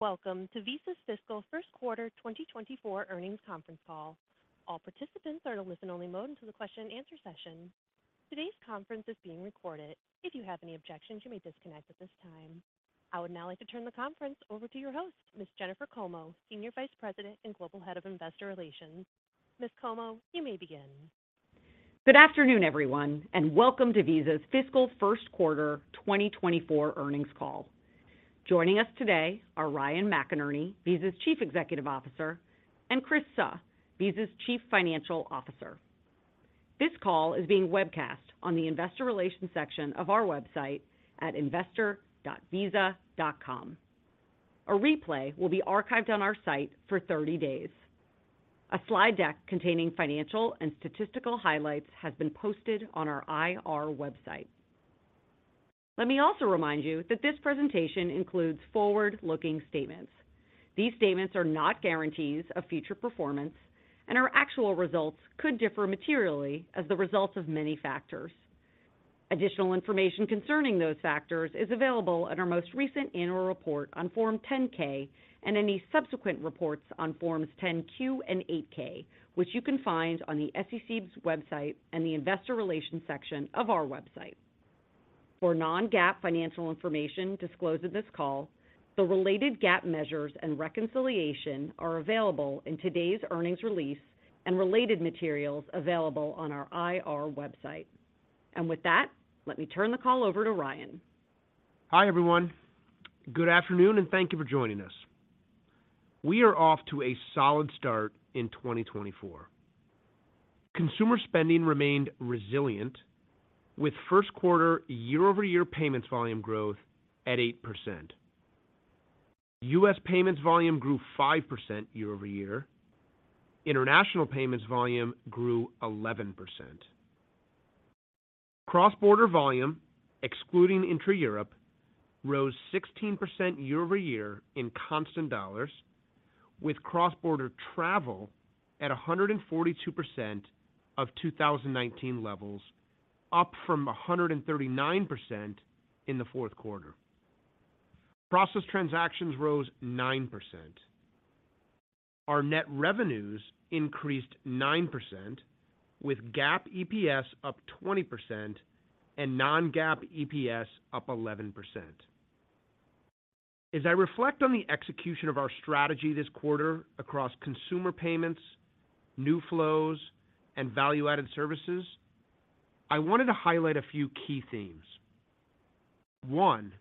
Welcome to Visa's Fiscal First Quarter 2024 Earnings Conference Call. All participants are in listen-only mode until the question and answer session. Today's conference is being recorded. If you have any objections, you may disconnect at this time. I would now like to turn the conference over to your host, Miss Jennifer Como, Senior Vice President and Global Head of Investor Relations. Miss Como, you may begin. Good afternoon, everyone, and welcome to Visa's Fiscal First Quarter 2024 earnings call. Joining us today are Ryan McInerney, Visa's Chief Executive Officer, and Chris Suh, Visa's Chief Financial Officer. This call is being webcast on the investor relations section of our website at investor.visa.com. A replay will be archived on our site for 30 days. A slide deck containing financial and statistical highlights has been posted on our IR website. Let me also remind you that this presentation includes forward-looking statements. These statements are not guarantees of future performance and our actual results could differ materially as the results of many factors. Additional information concerning those factors is available at our most recent annual report on Form 10-K and any subsequent reports on Forms 10-Q and 8-K, which you can find on the SEC's website and the investor relations section of our website. For non-GAAP financial information disclosed in this call, the related GAAP measures and reconciliation are available in today's earnings release and related materials available on our IR website. With that, let me turn the call over to Ryan. Hi, everyone. Good afternoon, and thank you for joining us. We are off to a solid start in 2024. Consumer spending remained resilient, with first quarter year-over-year payments volume growth at 8%. U.S. payments volume grew 5% year-over-year. International payments volume grew 11%. Cross-border volume, excluding intra-Europe, rose 16% year-over-year in constant dollars, with cross-border travel at 142% of 2019 levels, up from 139% in the fourth quarter. Processed transactions rose 9%. Our net revenues increased 9%, with GAAP EPS up 20% and non-GAAP EPS up 11%. As I reflect on the execution of our strategy this quarter across consumer payments, new flows, and value-added services, I wanted to highlight a few key themes. One,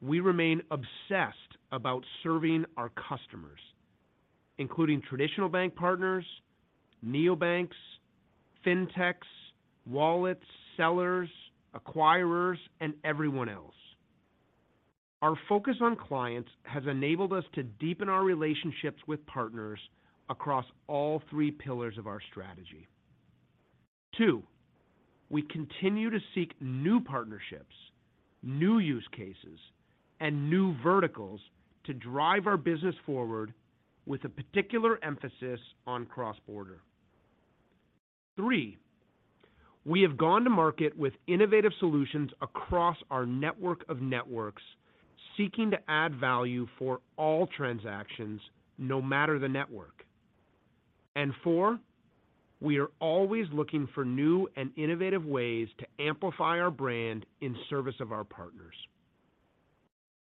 we remain obsessed about serving our customers, including traditional bank partners, neobanks, fintechs, wallets, sellers, acquirers, and everyone else. Our focus on clients has enabled us to deepen our relationships with partners across all three pillars of our strategy. Two, we continue to seek new partnerships, new use cases, and new verticals to drive our business forward with a particular emphasis on cross-border. Three, we have gone to market with innovative solutions across our network of networks, seeking to add value for all transactions, no matter the network. And four, we are always looking for new and innovative ways to amplify our brand in service of our partners.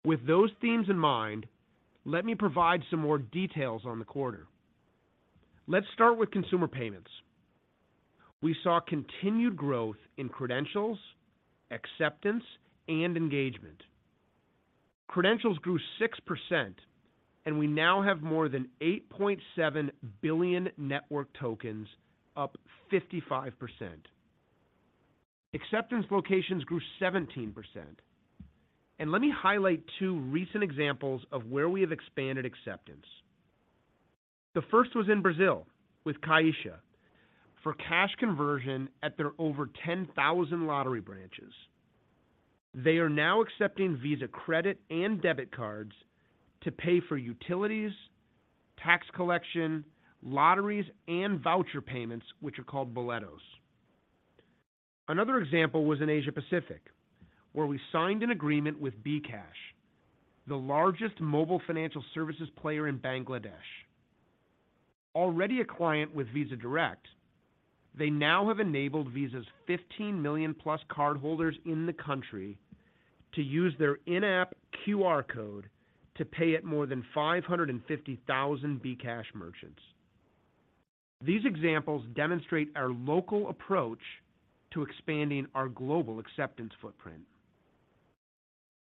With those themes in mind, let me provide some more details on the quarter. Let's start with consumer payments. We saw continued growth in credentials, acceptance, and engagement. Credentials grew 6%, and we now have more than 8.7 billion network tokens, up 55%. Acceptance locations grew 17%. Let me highlight two recent examples of where we have expanded acceptance. The first was in Brazil with Caixa, for cash conversion at their over 10,000 lottery branches. They are now accepting Visa credit and debit cards to pay for utilities, tax collection, lotteries, and voucher payments, which are called boletos. Another example was in Asia Pacific, where we signed an agreement with bKash, the largest mobile financial services player in Bangladesh. Already a client with Visa Direct, they now have enabled Visa's 15 million+ cardholders in the country to use their in-app QR code to pay at more than 550,000 bKash merchants. These examples demonstrate our local approach to expanding our global acceptance footprint.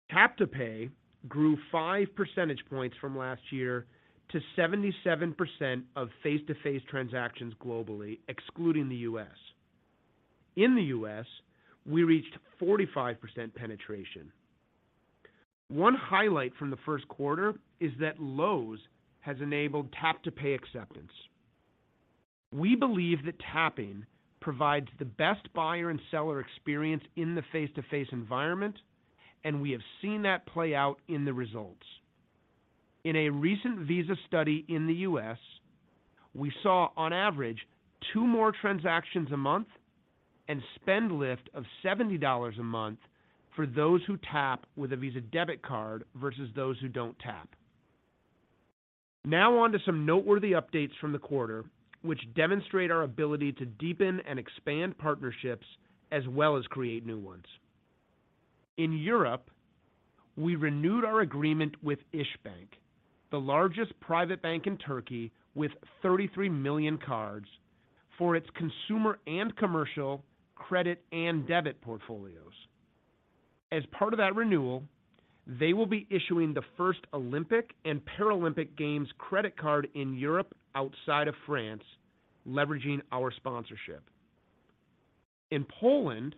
Tap to Pay grew 5 percentage points from last year to 77% of face-to-face transactions globally, excluding the U.S. In the U.S., we reached 45% penetration. One highlight from the first quarter is that Lowe's has enabled Tap to Pay acceptance. We believe that tapping provides the best buyer and seller experience in the face-to-face environment, and we have seen that play out in the results. In a recent Visa study in the U.S., we saw on average, two more transactions a month and spend lift of $70 a month for those who tap with a Visa debit card versus those who don't tap. Now on to some noteworthy updates from the quarter, which demonstrate our ability to deepen and expand partnerships as well as create new ones. In Europe, we renewed our agreement with İşbank, the largest private bank in Turkey, with 33 million cards for its consumer and commercial credit and debit portfolios. As part of that renewal, they will be issuing the first Olympic and Paralympic Games credit card in Europe outside of France, leveraging our sponsorship. In Poland,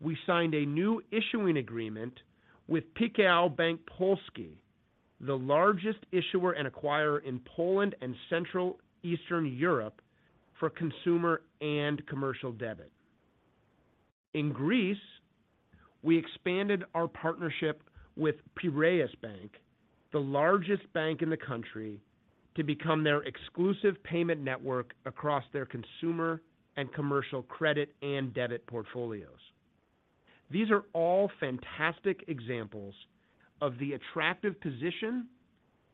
we signed a new issuing agreement with PKO Bank Polski, the largest issuer and acquirer in Poland and Central Eastern Europe for consumer and commercial debit. In Greece, we expanded our partnership with Piraeus Bank, the largest bank in the country, to become their exclusive payment network across their consumer and commercial credit and debit portfolios. These are all fantastic examples of the attractive position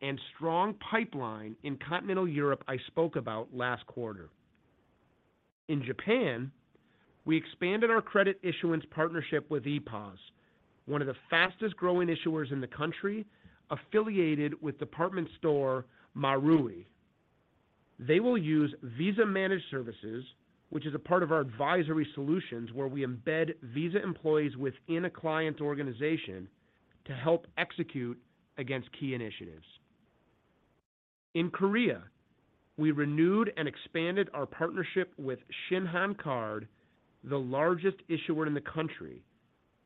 and strong pipeline in Continental Europe I spoke about last quarter. In Japan, we expanded our credit issuance partnership with EPOS, one of the fastest-growing issuers in the country, affiliated with department store Marui. They will use Visa Managed Services, which is a part of our advisory solutions, where we embed Visa employees within a client organization to help execute against key initiatives. In Korea, we renewed and expanded our partnership with Shinhan Card, the largest issuer in the country,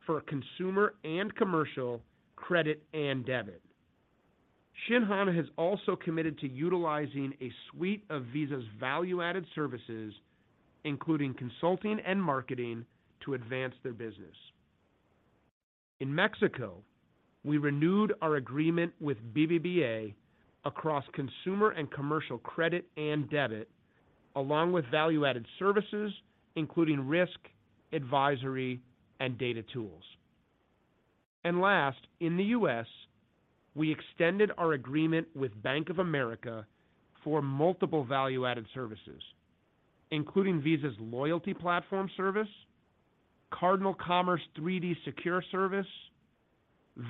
for consumer and commercial, credit and debit. Shinhan has also committed to utilizing a suite of Visa's value-added services, including consulting and marketing, to advance their business. In Mexico, we renewed our agreement with BBVA across consumer and commercial credit and debit, along with value-added services, including risk, advisory, and data tools. And last, in the US, we extended our agreement with Bank of America for multiple value-added services, including Visa's loyalty platform service, CardinalCommerce 3D Secure Service,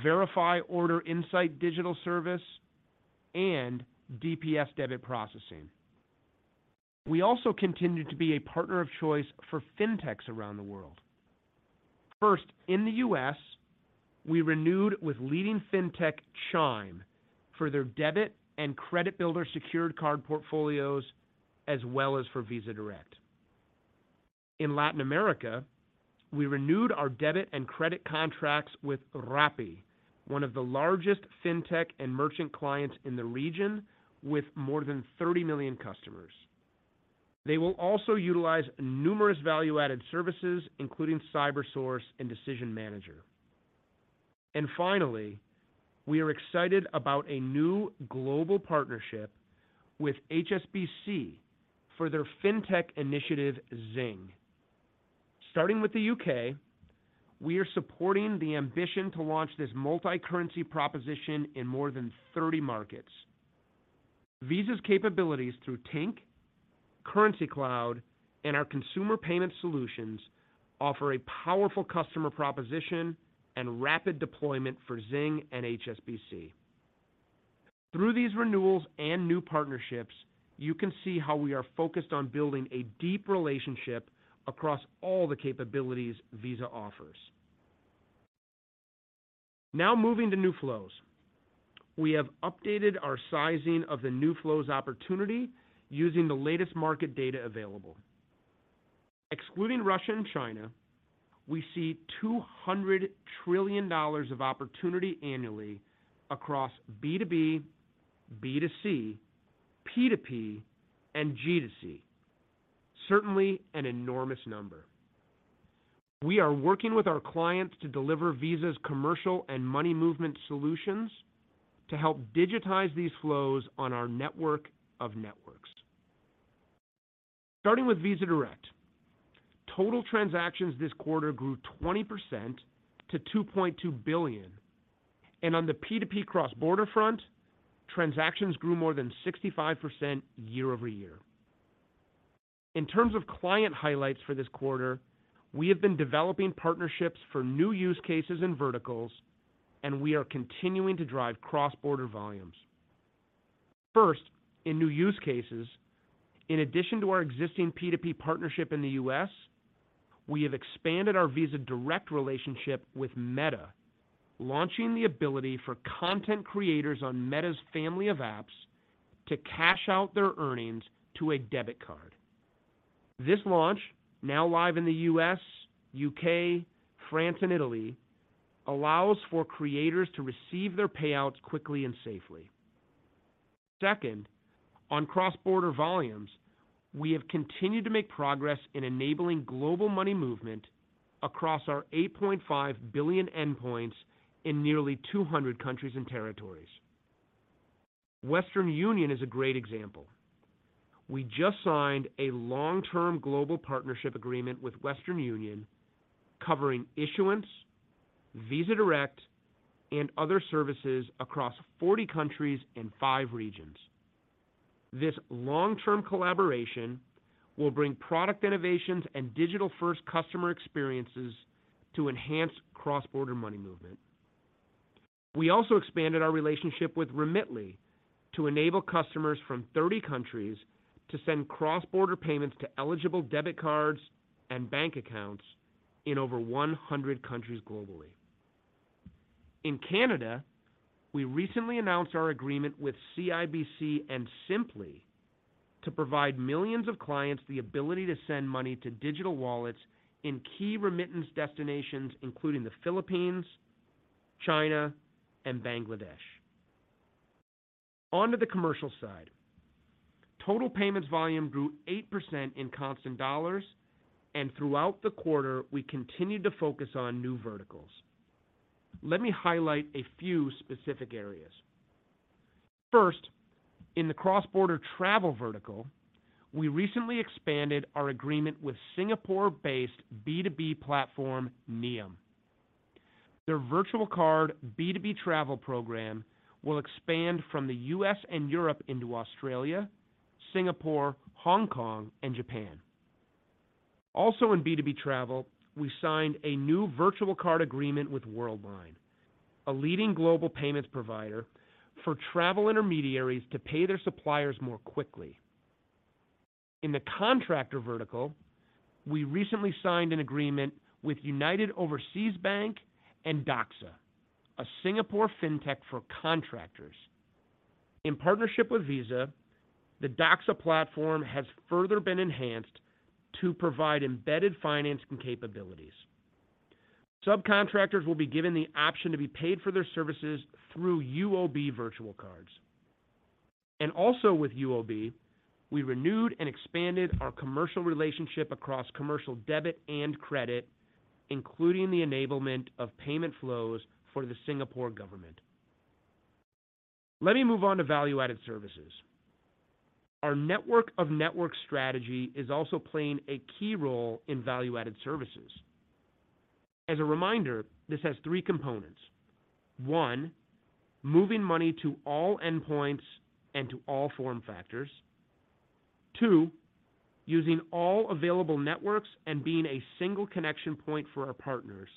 Verifi Order Insight digital service, and DPS debit processing. We also continued to be a partner of choice for fintechs around the world. First, in the US, we renewed with leading fintech Chime for their debit and credit builder secured card portfolios, as well as for Visa Direct. In Latin America, we renewed our debit and credit contracts with Rappi, one of the largest fintech and merchant clients in the region, with more than 30 million customers. They will also utilize numerous value-added services, including CyberSource and Decision Manager. And finally, we are excited about a new global partnership with HSBC for their fintech initiative, Zing. Starting with the U.K., we are supporting the ambition to launch this multi-currency proposition in more than 30 markets. Visa's capabilities through Tink, Currencycloud, and our consumer payment solutions offer a powerful customer proposition and rapid deployment for Zing and HSBC. Through these renewals and new partnerships, you can see how we are focused on building a deep relationship across all the capabilities Visa offers. Now moving to new flows. We have updated our sizing of the new flows opportunity using the latest market data available. Excluding Russia and China, we see $200 trillion of opportunity annually across B2B, B2C, P2P, and G2C. Certainly an enormous number. We are working with our clients to deliver Visa's commercial and money movement solutions to help digitize these flows on our network of networks. Starting with Visa Direct, total transactions this quarter grew 20% to 2.2 billion, and on the P2P cross-border front, transactions grew more than 65% year-over-year. In terms of client highlights for this quarter, we have been developing partnerships for new use cases and verticals, and we are continuing to drive cross-border volumes. First, in new use cases, in addition to our existing P2P partnership in the U.S., we have expanded our Visa Direct relationship with Meta, launching the ability for content creators on Meta's family of apps to cash out their earnings to a debit card. This launch, now live in the U.S., U.K., France, and Italy, allows for creators to receive their payouts quickly and safely. Second, on cross-border volumes. We have continued to make progress in enabling global money movement across our 8.5 billion endpoints in nearly 200 countries and territories. Western Union is a great example. We just signed a long-term global partnership agreement with Western Union, covering issuance, Visa Direct, and other services across 40 countries and five regions. This long-term collaboration will bring product innovations and digital-first customer experiences to enhance cross-border money movement. We also expanded our relationship with Remitly to enable customers from 30 countries to send cross-border payments to eligible debit cards and bank accounts in over 100 countries globally. In Canada, we recently announced our agreement with CIBC and Simplii to provide millions of clients the ability to send money to digital wallets in key remittance destinations, including the Philippines, China, and Bangladesh. On to the commercial side. Total payments volume grew 8% in constant dollars, and throughout the quarter, we continued to focus on new verticals. Let me highlight a few specific areas. First, in the cross-border travel vertical, we recently expanded our agreement with Singapore-based B2B platform, Nium. Their virtual card B2B travel program will expand from the U.S. and Europe into Australia, Singapore, Hong Kong, and Japan. Also in B2B travel, we signed a new virtual card agreement with Worldline, a leading global payments provider, for travel intermediaries to pay their suppliers more quickly. In the contractor vertical, we recently signed an agreement with United Overseas Bank and Doxa, a Singapore fintech for contractors. In partnership with Visa, the Doxa platform has further been enhanced to provide embedded financing capabilities. Subcontractors will be given the option to be paid for their services through UOB virtual cards. Also with UOB, we renewed and expanded our commercial relationship across commercial debit and credit, including the enablement of payment flows for the Singapore government. Let me move on to value-added services. Our network of network strategy is also playing a key role in value-added services. As a reminder, this has three components. One, moving money to all endpoints and to all form factors. Two, using all available networks and being a single connection point for our partners.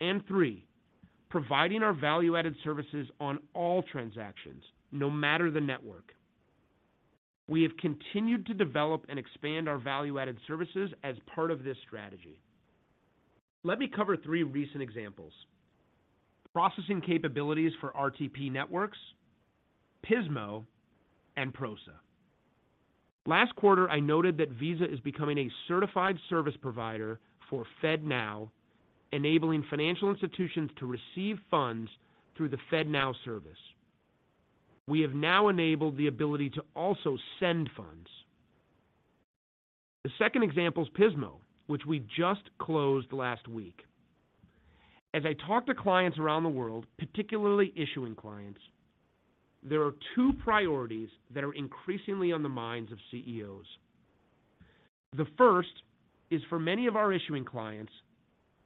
And three, providing our value-added services on all transactions, no matter the network. We have continued to develop and expand our value-added services as part of this strategy. Let me cover three recent examples: processing capabilities for RTP networks, Pismo, and Prosa. Last quarter, I noted that Visa is becoming a certified service provider for FedNow, enabling financial institutions to receive funds through the FedNow service. We have now enabled the ability to also send funds. The second example is Pismo, which we just closed last week. As I talk to clients around the world, particularly issuing clients, there are two priorities that are increasingly on the minds of CEOs. The first is, for many of our issuing clients,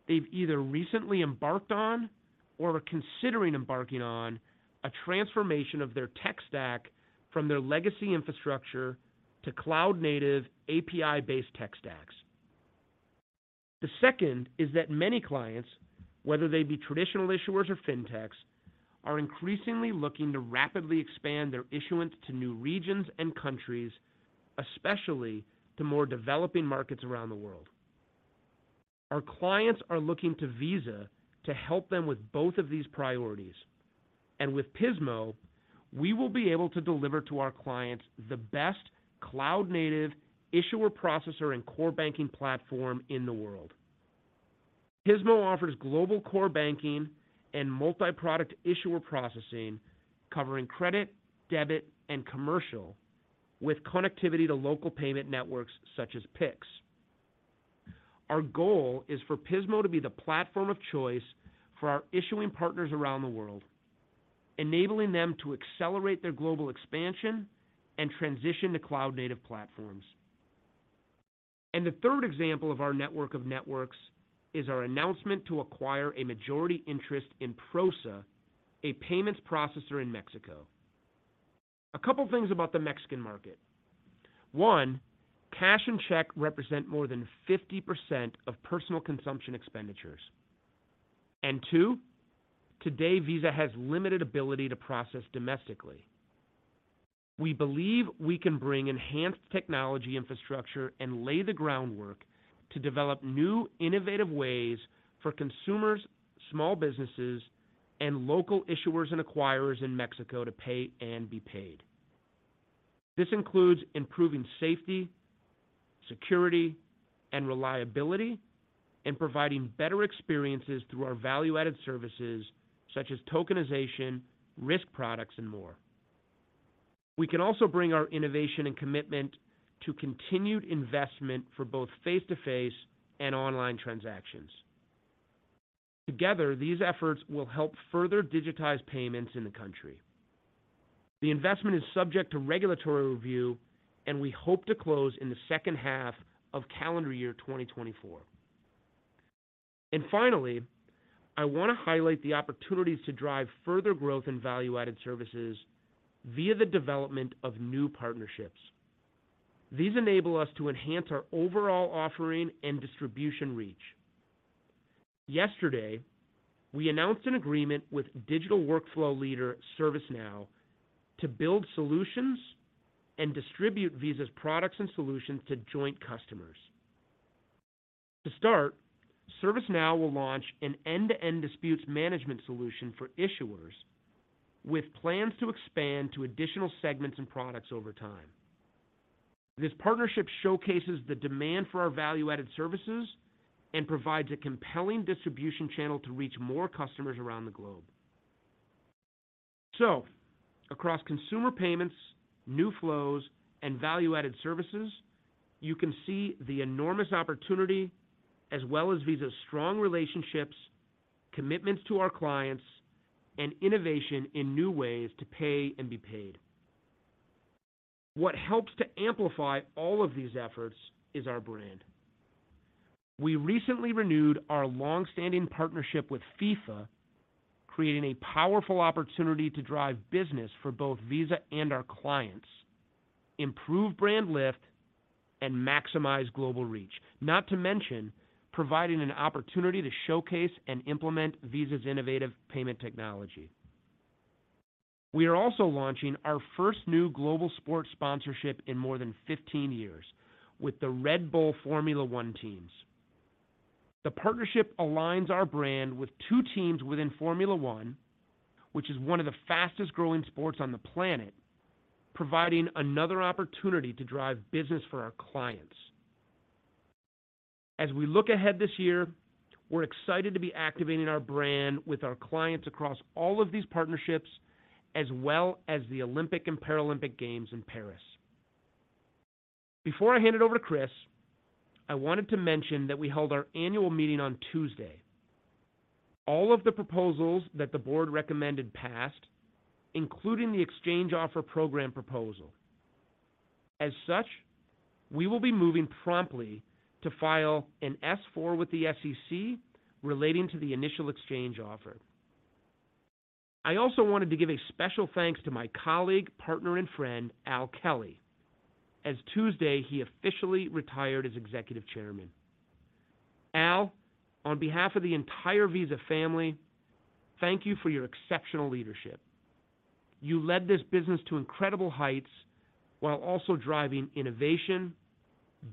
they've either recently embarked on or are considering embarking on a transformation of their tech stack from their legacy infrastructure to cloud-native, API-based tech stacks. The second is that many clients, whether they be traditional issuers or Fintechs, are increasingly looking to rapidly expand their issuance to new regions and countries, especially to more developing markets around the world. Our clients are looking to Visa to help them with both of these priorities, and with Pismo, we will be able to deliver to our clients the best cloud-native issuer, processor, and core banking platform in the world. Pismo offers global core banking and multi-product issuer processing, covering credit, debit, and commercial, with connectivity to local payment networks such as Pix. Our goal is for Pismo to be the platform of choice for our issuing partners around the world, enabling them to accelerate their global expansion and transition to cloud-native platforms. The third example of our network of networks is our announcement to acquire a majority interest in Prosa, a payments processor in Mexico. A couple things about the Mexican market. One, cash and check represent more than 50% of personal consumption expenditures. Two, today, Visa has limited ability to process domestically. We believe we can bring enhanced technology infrastructure and lay the groundwork to develop new innovative ways for consumers, small businesses, and local issuers and acquirers in Mexico to pay and be paid. This includes improving safety, security, and reliability, and providing better experiences through our value-added services such as tokenization, risk products, and more. We can also bring our innovation and commitment to continued investment for both face-to-face and online transactions. Together, these efforts will help further digitize payments in the country. The investment is subject to regulatory review, and we hope to close in the second half of calendar year 2024. Finally, I want to highlight the opportunities to drive further growth in value-added services via the development of new partnerships. These enable us to enhance our overall offering and distribution reach. Yesterday, we announced an agreement with digital workflow leader, ServiceNow, to build solutions and distribute Visa's products and solutions to joint customers. To start, ServiceNow will launch an end-to-end disputes management solution for issuers, with plans to expand to additional segments and products over time. This partnership showcases the demand for our value-added services and provides a compelling distribution channel to reach more customers around the globe. So across consumer payments, new flows, and value-added services, you can see the enormous opportunity as well as Visa's strong relationships, commitments to our clients, and innovation in new ways to pay and be paid. What helps to amplify all of these efforts is our brand. We recently renewed our long-standing partnership with FIFA, creating a powerful opportunity to drive business for both Visa and our clients, improve brand lift, and maximize global reach. Not to mention, providing an opportunity to showcase and implement Visa's innovative payment technology. We are also launching our first new global sports sponsorship in more than 15 years with the Red Bull Formula One teams. The partnership aligns our brand with two teams within Formula One, which is one of the fastest-growing sports on the planet, providing another opportunity to drive business for our clients. As we look ahead this year, we're excited to be activating our brand with our clients across all of these partnerships, as well as the Olympic and Paralympic Games in Paris. Before I hand it over to Chris, I wanted to mention that we held our annual meeting on Tuesday. All of the proposals that the board recommended passed, including the exchange offer program proposal. As such, we will be moving promptly to file an S-4 with the SEC relating to the initial exchange offer. I also wanted to give a special thanks to my colleague, partner, and friend, Al Kelly. As of Tuesday, he officially retired as executive chairman. Al, on behalf of the entire Visa family, thank you for your exceptional leadership. You led this business to incredible heights while also driving innovation,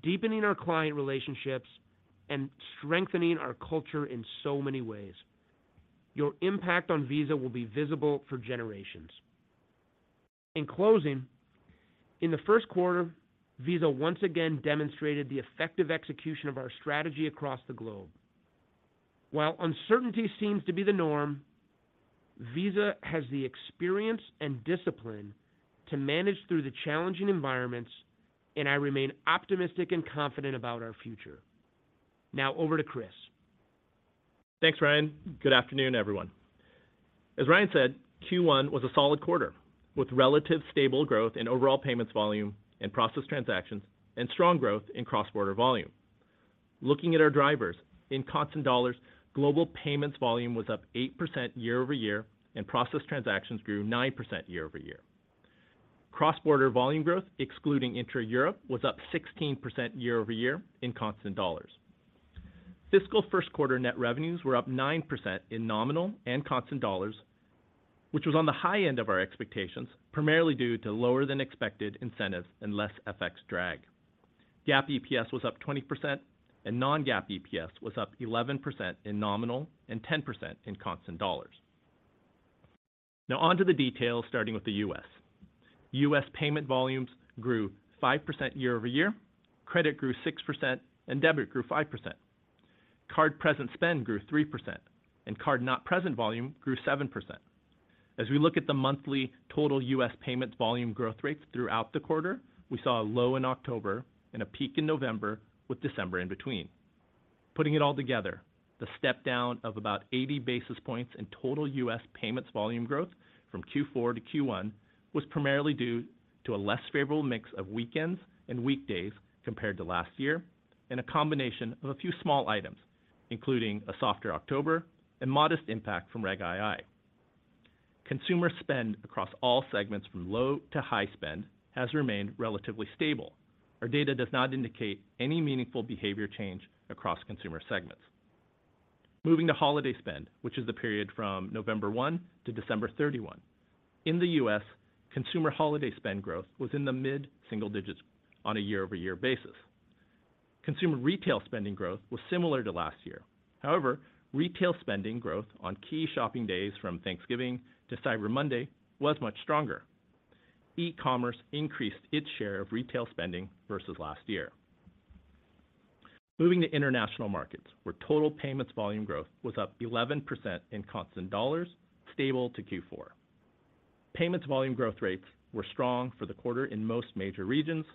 deepening our client relationships, and strengthening our culture in so many ways. Your impact on Visa will be visible for generations. In closing, in the first quarter, Visa once again demonstrated the effective execution of our strategy across the globe. While uncertainty seems to be the norm, Visa has the experience and discipline to manage through the challenging environments, and I remain optimistic and confident about our future. Now, over to Chris. Thanks, Ryan. Good afternoon, everyone. As Ryan said, Q1 was a solid quarter, with relatively stable growth in overall payments volume and processed transactions, and strong growth in cross-border volume. Looking at our drivers, in constant dollars, global payments volume was up 8% year-over-year, and processed transactions grew 9% year-over-year. Cross-border volume growth, excluding intra-Europe, was up 16% year-over-year in constant dollars. Fiscal first quarter net revenues were up 9% in nominal and constant dollars, which was on the high end of our expectations, primarily due to lower than expected incentives and less FX drag. GAAP EPS was up 20%, and non-GAAP EPS was up 11% in nominal and 10% in constant dollars. Now on to the details, starting with the U.S. U.S. payment volumes grew 5% year-over-year, credit grew 6%, and debit grew 5%. Card present spend grew 3%, and card not present volume grew 7%. As we look at the monthly total U.S. payments volume growth rates throughout the quarter, we saw a low in October and a peak in November, with December in between. Putting it all together, the step-down of about 80 basis points in total U.S. payments volume growth from Q4 to Q1 was primarily due to a less favorable mix of weekends and weekdays compared to last year, and a combination of a few small items, including a softer October and modest impact from Reg II. Consumer spend across all segments from low to high spend has remained relatively stable. Our data does not indicate any meaningful behavior change across consumer segments. Moving to holiday spend, which is the period from November 1 to December 31. In the U.S., consumer holiday spend growth was in the mid-single digits on a year-over-year basis. Consumer retail spending growth was similar to last year. However, retail spending growth on key shopping days from Thanksgiving to Cyber Monday was much stronger. E-commerce increased its share of retail spending versus last year. Moving to international markets, where total payments volume growth was up 11% in constant dollars, stable to Q4. Payments volume growth rates were strong for the quarter in most major regions,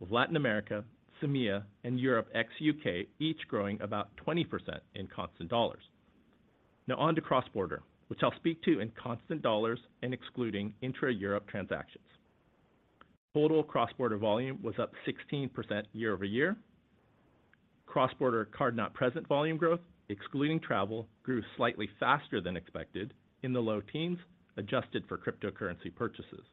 with Latin America, CEMEA, and Europe, ex-U.K., each growing about 20% in constant dollars. Now on to cross-border, which I'll speak to in constant dollars and excluding intra-Europe transactions. Total cross-border volume was up 16% year-over-year. Cross-border card-not-present volume growth, excluding travel, grew slightly faster than expected in the low teens, adjusted for cryptocurrency purchases.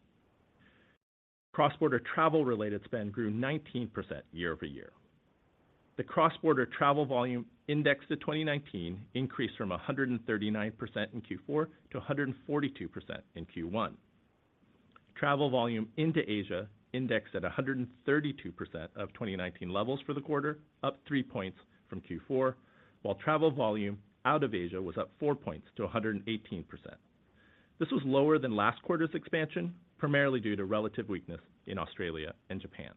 Cross-border travel-related spend grew 19% year-over-year. The cross-border travel volume indexed to 2019, increased from 139% in Q4 to 142% in Q1. Travel volume into Asia indexed at 132% of 2019 levels for the quarter, up three points from Q4, while travel volume out of Asia was up four points to 118%. This was lower than last quarter's expansion, primarily due to relative weakness in Australia and Japan.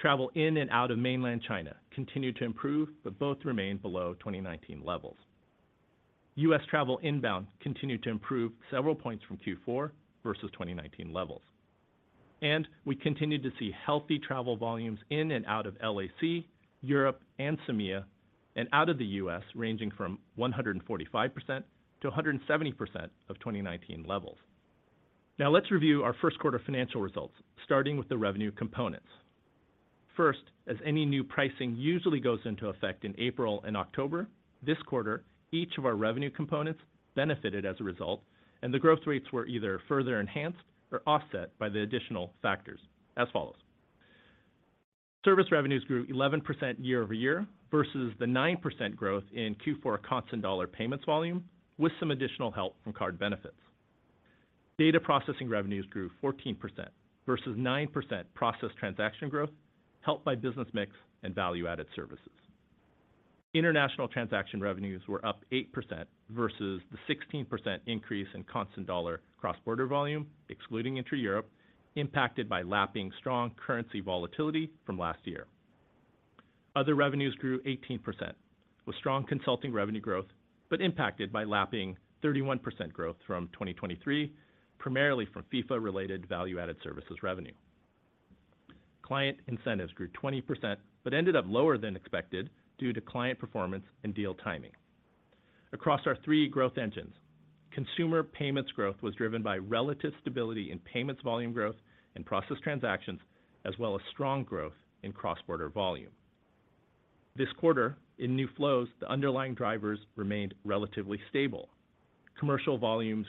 Travel in and out of mainland China continued to improve, but both remained below 2019 levels. U.S. travel inbound continued to improve several points from Q4 versus 2019 levels, and we continued to see healthy travel volumes in and out of LAC, Europe and CEMEA, and out of the U.S., ranging from 145%-170% of 2019 levels. Now, let's review our first quarter financial results, starting with the revenue components. First, as any new pricing usually goes into effect in April and October, this quarter, each of our revenue components benefited as a result, and the growth rates were either further enhanced or offset by the additional factors as follows: Service revenues grew 11% year-over-year, versus the 9% growth in Q4 constant dollar payments volume, with some additional help from card benefits. Data processing revenues grew 14% versus 9% processed transaction growth, helped by business mix and value-added services. International transaction revenues were up 8% versus the 16% increase in constant dollar cross-border volume, excluding intra-Europe, impacted by lapping strong currency volatility from last year. Other revenues grew 18%, with strong consulting revenue growth, but impacted by lapping 31% growth from 2023, primarily from FIFA-related value-added services revenue. Client incentives grew 20%, but ended up lower than expected due to client performance and deal timing. Across our three growth engines, consumer payments growth was driven by relative stability in payments volume growth and processed transactions, as well as strong growth in cross-border volume. This quarter, in new flows, the underlying drivers remained relatively stable. Commercial volumes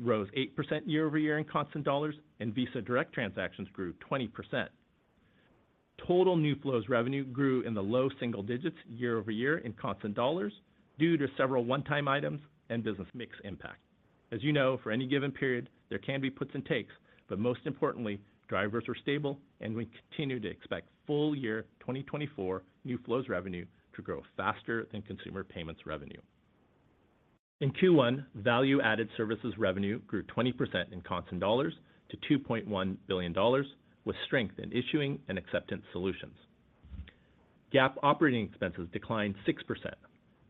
rose 8% year-over-year in constant dollars, and Visa Direct transactions grew 20%. Total new flows revenue grew in the low single digits year-over-year in constant dollars due to several one-time items and business mix impact. As you know, for any given period, there can be puts and takes, but most importantly, drivers are stable and we continue to expect full-year 2024 new flows revenue to grow faster than consumer payments revenue. In Q1, value-added services revenue grew 20% in constant dollars to $2.1 billion, with strength in issuing and acceptance solutions. GAAP operating expenses declined 6%.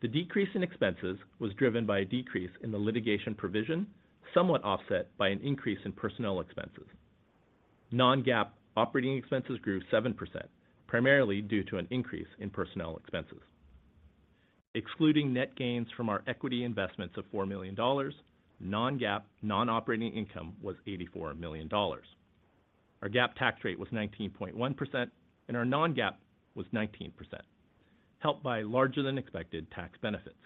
The decrease in expenses was driven by a decrease in the litigation provision, somewhat offset by an increase in personnel expenses. Non-GAAP operating expenses grew 7%, primarily due to an increase in personnel expenses. Excluding net gains from our equity investments of $4 million, non-GAAP non-operating income was $84 million. Our GAAP tax rate was 19.1%, and our non-GAAP was 19%, helped by larger than expected tax benefits.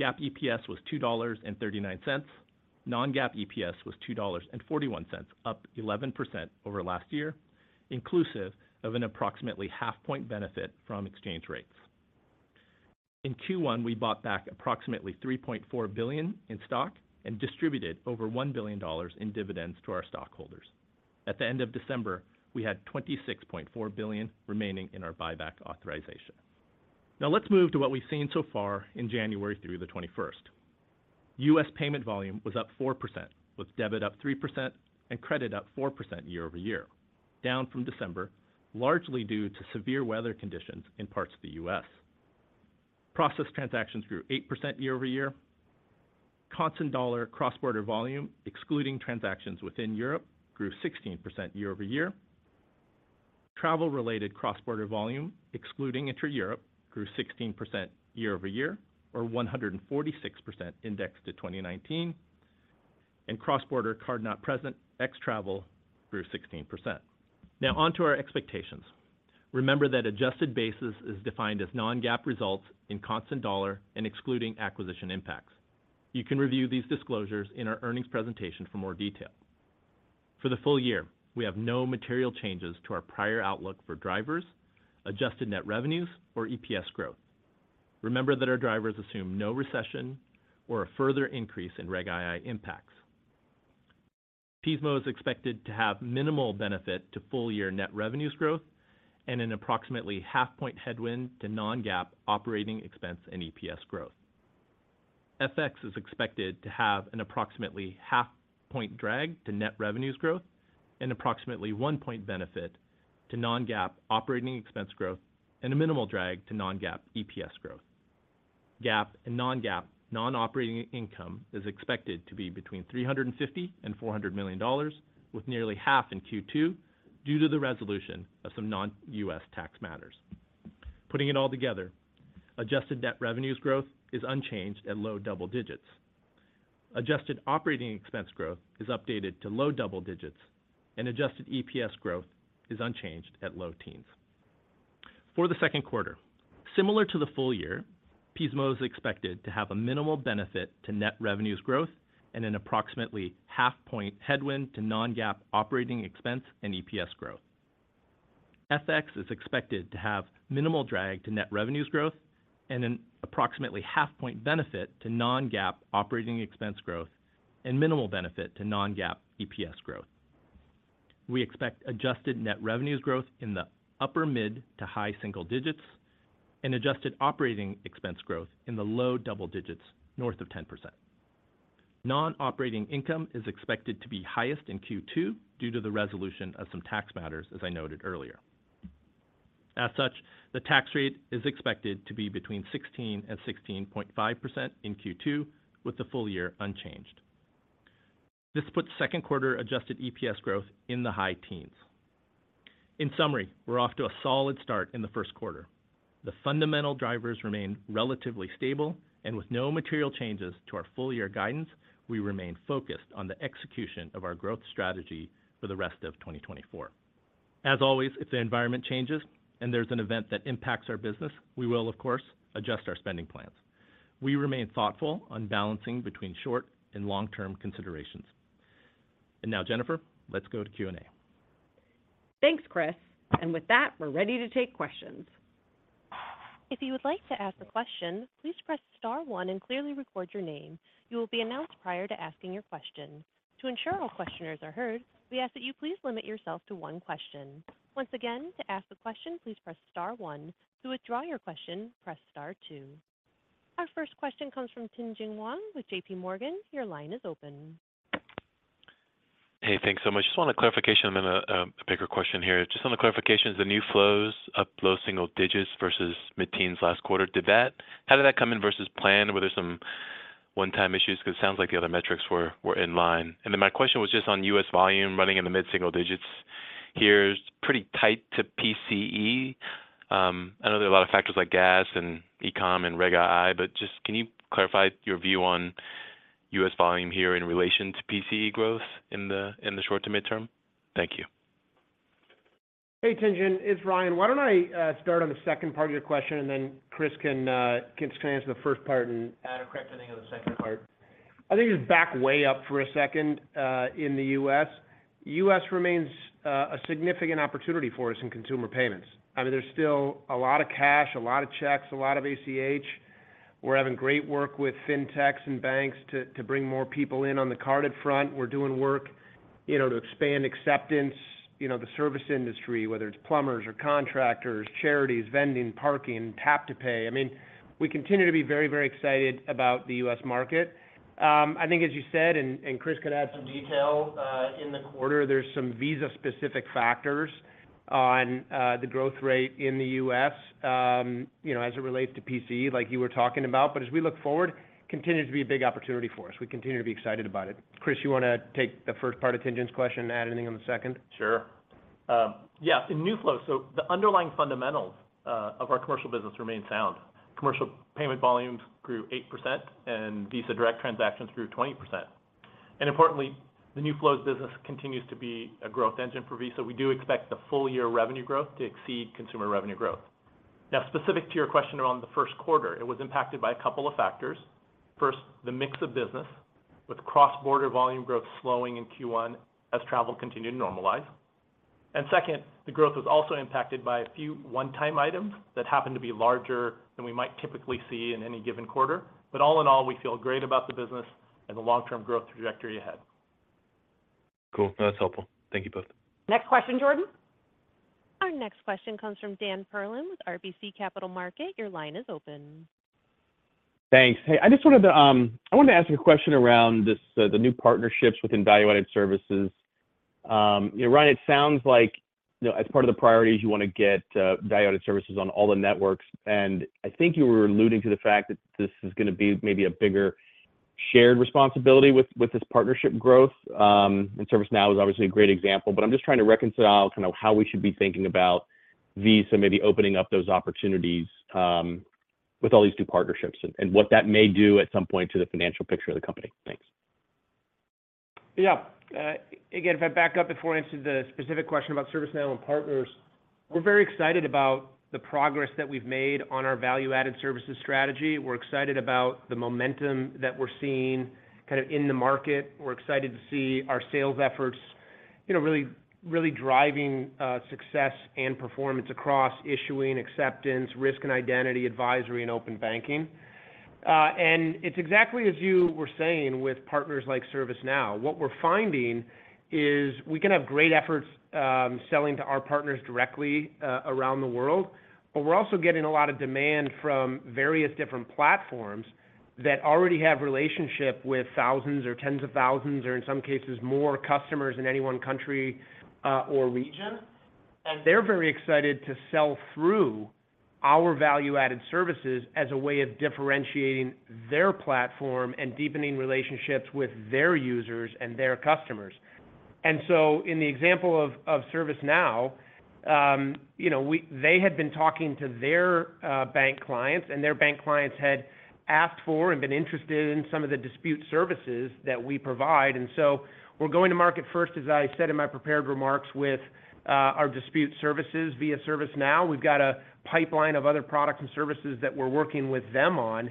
GAAP EPS was $2.39. Non-GAAP EPS was $2.41, up 11% over last year, inclusive of an approximately half point benefit from exchange rates. In Q1, we bought back approximately $3.4 billion in stock and distributed over $1 billion in dividends to our stockholders. At the end of December, we had $26.4 billion remaining in our buyback authorization. Now let's move to what we've seen so far in January through the 21st. US payment volume was up 4%, with debit up 3% and credit up 4% year-over-year, down from December, largely due to severe weather conditions in parts of the US. Processed transactions grew 8% year-over-year. Constant dollar cross-border volume, excluding transactions within Europe, grew 16% year-over-year. Travel-related cross-border volume, excluding intra-Europe, grew 16% year-over-year, or 146% indexed to 2019, and cross-border card-not-present, ex-travel, grew 16%. Now on to our expectations. Remember that adjusted basis is defined as non-GAAP results in constant dollar and excluding acquisition impacts. You can review these disclosures in our earnings presentation for more detail. For the full year, we have no material changes to our prior outlook for drivers, adjusted net revenues, or EPS growth. Remember that our drivers assume no recession or a further increase in Reg II impacts. Pismo is expected to have minimal benefit to full-year net revenues growth and an approximately half point headwind to non-GAAP operating expense and EPS growth. FX is expected to have an approximately half point drag to net revenues growth and approximately one point benefit to non-GAAP operating expense growth, and a minimal drag to non-GAAP EPS growth. GAAP and non-GAAP non-operating income is expected to be between $350 million and $400 million, with nearly half in Q2, due to the resolution of some non-US tax matters. Putting it all together, adjusted net revenues growth is unchanged at low double digits. Adjusted operating expense growth is updated to low double digits, and adjusted EPS growth is unchanged at low teens. For the second quarter, similar to the full year, Pismo is expected to have a minimal benefit to net revenues growth and an approximately half point headwind to non-GAAP operating expense and EPS growth. FX is expected to have minimal drag to net revenues growth and an approximately half point benefit to non-GAAP operating expense growth, and minimal benefit to non-GAAP EPS growth. We expect adjusted net revenues growth in the upper mid- to high single digits, and adjusted operating expense growth in the low double digits, north of 10%. Non-operating income is expected to be highest in Q2 due to the resolution of some tax matters, as I noted earlier. As such, the tax rate is expected to be between 16% and 16.5% in Q2, with the full year unchanged. This puts second quarter adjusted EPS growth in the high teens. In summary, we're off to a solid start in the first quarter. The fundamental drivers remain relatively stable, and with no material changes to our full year guidance, we remain focused on the execution of our growth strategy for the rest of 2024. As always, if the environment changes and there's an event that impacts our business, we will, of course, adjust our spending plans. We remain thoughtful on balancing between short and long-term considerations. Now, Jennifer, let's go to Q&A. Thanks, Chris. With that, we're ready to take questions. If you would like to ask a question, please press star one and clearly record your name. You will be announced prior to asking your question. To ensure all questioners are heard, we ask that you please limit yourself to one question. Once again, to ask a question, please press star one. To withdraw your question, press star two. Our first question comes from Tien-Tsin Huang with JPMorgan. Your line is open. Hey, thanks so much. Just want a clarification and then a bigger question here. Just on the clarification, the new flows up low single digits versus mid-teens last quarter, how did that come in versus plan? Were there some one-time issues? Because it sounds like the other metrics were in line. Then my question was just on U.S. volume running in the mid single digits. It's pretty tight to PCE. I know there are a lot of factors like gas and e-com and Reg II, but just can you clarify your view on U.S. volume here in relation to PCE growth in the short to midterm? Thank you. Hey, Tien-Tsin, it's Ryan. Why don't I start on the second part of your question, and then Chris can give his take on the first part and add or correct anything on the second part. I think just back way up for a second in the U.S. U.S. remains a significant opportunity for us in consumer payments. I mean, there's still a lot of cash, a lot of checks, a lot of ACH. We're having great work with fintechs and banks to bring more people in on the carded front. We're doing work, you know, to expand acceptance, you know, the service industry, whether it's plumbers or contractors, charities, vending, parking, tap-to-pay. I mean, we continue to be very, very excited about the US market. I think as you said, and Chris could add some detail, in the quarter, there's some Visa-specific factors on the growth rate in the U.S., you know, as it relates to PCE, like you were talking about. But as we look forward, continues to be a big opportunity for us. We continue to be excited about it. Chris, you want to take the first part of Tien-Tsin's question and add anything on the second? Sure. Yeah, in new flow, so the underlying fundamentals of our commercial business remain sound. Commercial payment volumes grew 8%, and Visa Direct transactions grew 20%. Importantly, the new flows business continues to be a growth engine for Visa. We do expect the full-year revenue growth to exceed consumer revenue growth. Now, specific to your question around the first quarter, it was impacted by a couple of factors. First, the mix of business, with cross-border volume growth slowing in Q1 as travel continued to normalize. Second, the growth was also impacted by a few one-time items that happened to be larger than we might typically see in any given quarter. All in all, we feel great about the business and the long-term growth trajectory ahead. Cool. That's helpful. Thank you both. Next question, Jordan. Our next question comes from Dan Perlin with RBC Capital Markets. Your line is open. Thanks. Hey, I just wanted to ask a question around this, the new partnerships within value-added services. You know, Ryan, it sounds like, you know, as part of the priorities, you want to get value-added services on all the networks, and I think you were alluding to the fact that this is gonna be maybe a bigger shared responsibility with this partnership growth. ServiceNow is obviously a great example, but I'm just trying to reconcile kind of how we should be thinking about Visa, maybe opening up those opportunities with all these new partnerships, and what that may do at some point to the financial picture of the company. Thanks. Yeah. Again, if I back up before I answer the specific question about ServiceNow and partners, we're very excited about the progress that we've made on our value-added services strategy. We're excited about the momentum that we're seeing kind of in the market. We're excited to see our sales efforts you know, really, really driving success and performance across issuing, acceptance, risk and identity, advisory, and open banking. And it's exactly as you were saying, with partners like ServiceNow. What we're finding is we can have great efforts selling to our partners directly around the world, but we're also getting a lot of demand from various different platforms that already have relationship with thousands or tens of thousands, or in some cases, more customers in any one country or region. They're very excited to sell through our value-added services as a way of differentiating their platform and deepening relationships with their users and their customers. So in the example of ServiceNow, you know, they had been talking to their bank clients, and their bank clients had asked for and been interested in some of the dispute services that we provide. So we're going to market first, as I said in my prepared remarks, with our dispute services via ServiceNow. We've got a pipeline of other products and services that we're working with them on,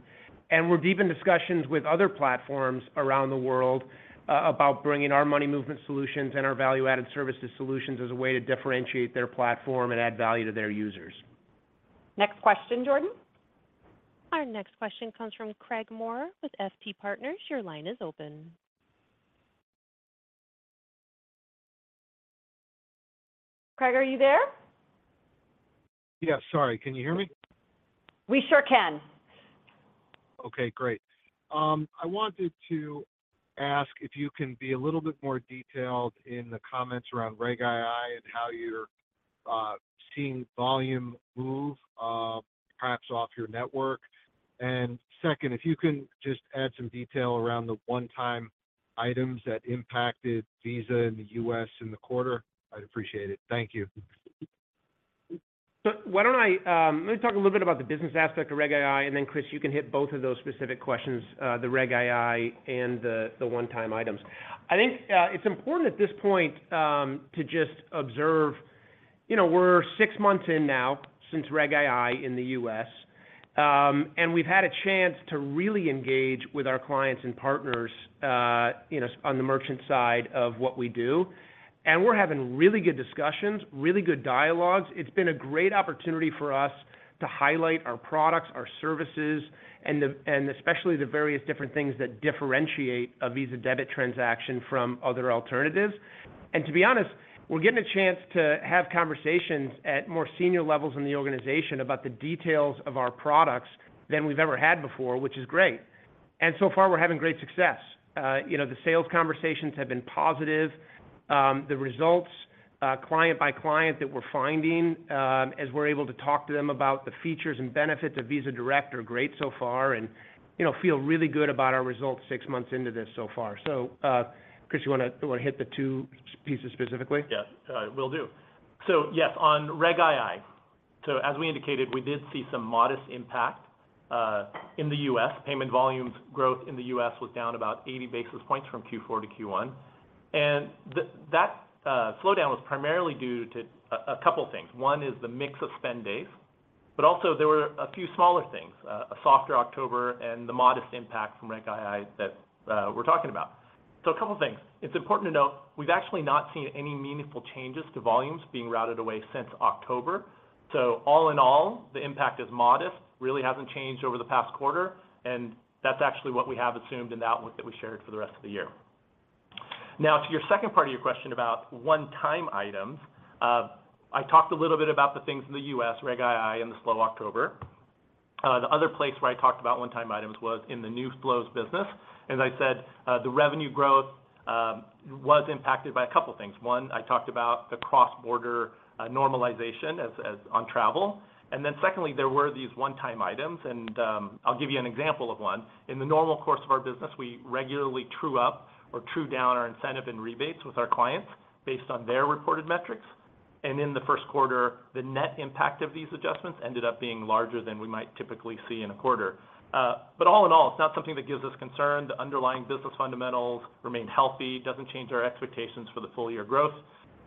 and we're deep in discussions with other platforms around the world about bringing our money movement solutions and our value-added services solutions as a way to differentiate their platform and add value to their users. Next question, Jordan. Our next question comes from Craig Maurer with FT Partners. Your line is open. Craig, are you there? Yeah, sorry. Can you hear me? We sure can. Okay, great. I wanted to ask if you can be a little bit more detailed in the comments around Reg II and how you're seeing volume move, perhaps off your network. And second, if you can just add some detail around the one-time items that impacted Visa in the U.S. in the quarter, I'd appreciate it. Thank you. So why don't I. Let me talk a little bit about the business aspect of Reg II, and then, Chris, you can hit both of those specific questions, the Reg II and the one-time items. I think, it's important at this point, to just observe, you know, we're six months in now since Reg II in the U.S., and we've had a chance to really engage with our clients and partners, you know, on the merchant side of what we do, and we're having really good discussions, really good dialogues. It's been a great opportunity for us to highlight our products, our services, and especially the various different things that differentiate a Visa debit transaction from other alternatives. To be honest, we're getting a chance to have conversations at more senior levels in the organization about the details of our products than we've ever had before, which is great. So far, we're having great success. You know, the sales conversations have been positive. The results, client by client that we're finding, as we're able to talk to them about the features and benefits of Visa Direct are great so far, and, you know, feel really good about our results six months into this so far. So, Chris, you want to hit the two pieces specifically? Yes, will do. So, yes, on Reg II, so as we indicated, we did see some modest impact in the U.S. Payments volume growth in the U.S. was down about 80 basis points from Q4 to Q1. And that slowdown was primarily due to a couple things. One is the mix of spend days, but also there were a few smaller things, a softer October and the modest impact from Reg II that we're talking about. So a couple things. It's important to note, we've actually not seen any meaningful changes to volumes being routed away since October. So all in all, the impact is modest, really hasn't changed over the past quarter, and that's actually what we have assumed in the outlook that we shared for the rest of the year. Now, to your second part of your question about one-time items. I talked a little bit about the things in the US, Reg II and the slow October. The other place where I talked about one-time items was in the new flows business. As I said, the revenue growth was impacted by a couple things. One, I talked about the cross-border normalization as on travel. And then secondly, there were these one-time items, and I'll give you an example of one. In the normal course of our business, we regularly true up or true down our incentive and rebates with our clients based on their reported metrics. And in the first quarter, the net impact of these adjustments ended up being larger than we might typically see in a quarter. But all in all, it's not something that gives us concern. The underlying business fundamentals remain healthy, doesn't change our expectations for the full-year growth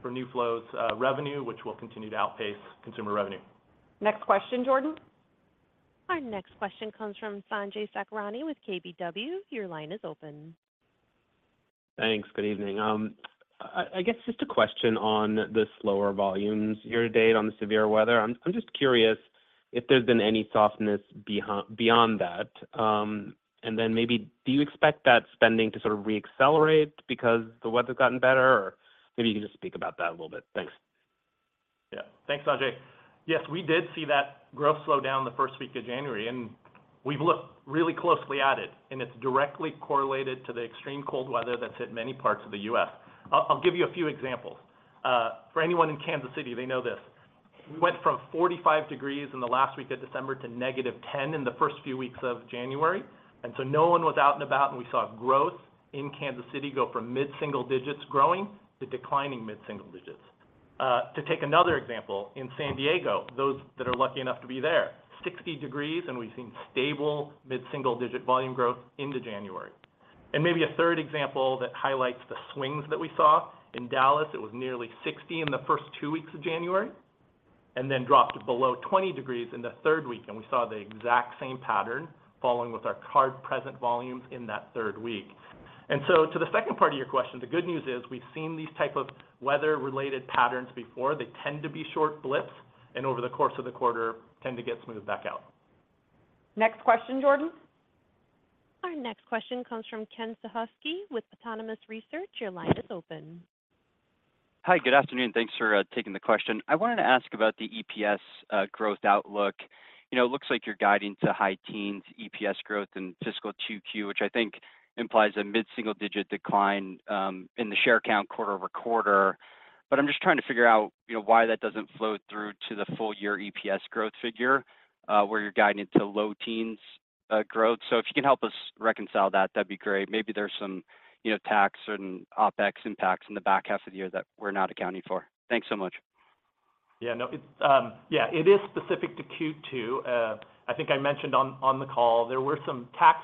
for new flows, revenue, which will continue to outpace consumer revenue. Next question, Jordan. Our next question comes from Sanjay Sakhrani with KBW. Your line is open. Thanks. Good evening. I guess just a question on the slower volumes year to date on the severe weather. I'm just curious if there's been any softness beyond that? And then maybe, do you expect that spending to sort of re-accelerate because the weather's gotten better, or maybe you can just speak about that a little bit. Thanks. Yeah. Thanks, Sanjay. Yes, we did see that growth slow down the first week of January, and we've looked really closely at it, and it's directly correlated to the extreme cold weather that hit many parts of the U.S. I'll give you a few examples. For anyone in Kansas City, they know this: we went from 45 degrees in the last week of December to -10 degrees in the first few weeks of January, and so no one was out and about, and we saw growth in Kansas City go from mid-single digits growing to declining mid-single digits. To take another example, in San Diego, those that are lucky enough to be there, 60 degrees, and we've seen stable mid-single digit volume growth into January. Maybe a third example that highlights the swings that we saw, in Dallas, it was nearly 60 degrees in the first two weeks of January and then dropped to below 20 degrees in the third week, and we saw the exact same pattern following with our card present volumes in that third week. And so to the second part of your question, the good news is, we've seen these type of weather-related patterns before. They tend to be short blips, and over the course of the quarter, tend to get smoothed back out. Next question, Jordan? Our next question comes from Ken Suchoski with Autonomous Research. Your line is open. Hi, good afternoon, and thanks for taking the question. I wanted to ask about the EPS growth outlook. You know, it looks like you're guiding to high teens EPS growth in fiscal 2Q, which I think implies a mid-single-digit decline in the share count quarter-over-quarter. But I'm just trying to figure out, you know, why that doesn't flow through to the full year EPS growth figure, where you're guiding into low teens growth. So if you can help us reconcile that, that'd be great. Maybe there's some, you know, tax or OpEx impacts in the back half of the year that we're not accounting for. Thanks so much. Yeah, no, it, yeah, it is specific to Q2. I think I mentioned on the call, there were some tax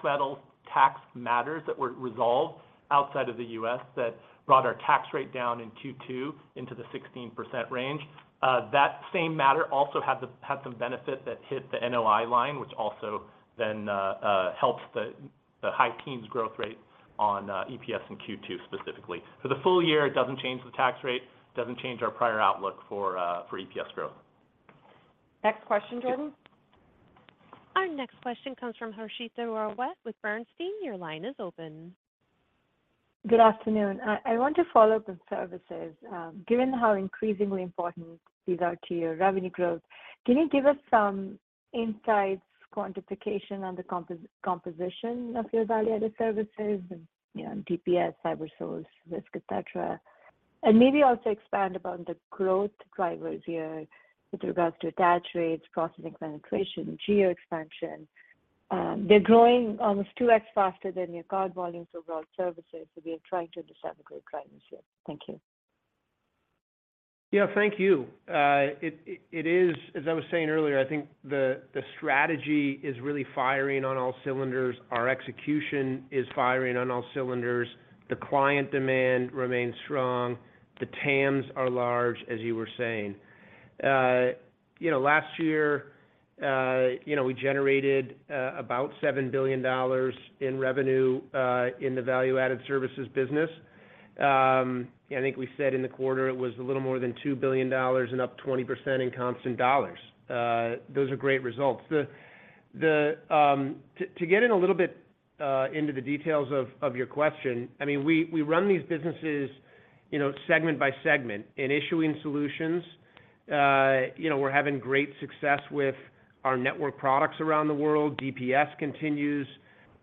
matters that were resolved outside of the U.S. that brought our tax rate down in Q2 into the 16% range. That same matter also had some benefit that hit the NOI line, which also helps the high teens growth rate on EPS in Q2, specifically. For the full year, it doesn't change the tax rate, doesn't change our prior outlook for EPS growth. Next question, Jordan. Our next question comes from Harshita Rawat with Bernstein. Your line is open. Good afternoon. I want to follow up on services. Given how increasingly important these are to your revenue growth, can you give us some insights, quantification on the composition of your value-added services and, you know, DPS, CyberSource, Risk, et cetera? And maybe also expand upon the growth drivers here with regards to attach rates, processing penetration, geo expansion. They're growing almost 2x faster than your card volumes overall services, so we are trying to understand the growth drivers here. Thank you. Yeah, thank you. It is... As I was saying earlier, I think the strategy is really firing on all cylinders. Our execution is firing on all cylinders. The client demand remains strong. The TAMs are large, as you were saying. You know, last year, you know, we generated about $7 billion in revenue in the value-added services business. I think we said in the quarter it was a little more than $2 billion and up 20% in constant dollars. Those are great results. The, to get in a little bit into the details of your question, I mean, we run these businesses, you know, segment by segment. In issuing solutions, you know, we're having great success with our network products around the world. DPS continues